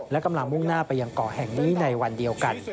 และกำลังมุ่งหน้าไปยังเกาะแห่งนี้ในวันเดียวกัน